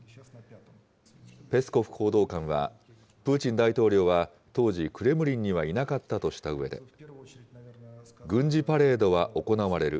ペスコフ報道官は、プーチン大統領は当時、クレムリンにはいなかったとしたうえで、軍事パレードは行われる。